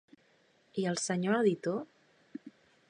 I el senyor editor?